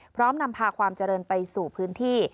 นำพาความเจริญไปสู่พื้นที่